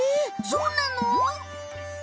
そうなの？